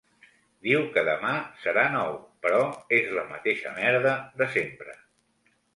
Diu que demà serà nou, però és la mateixa merda de sempre.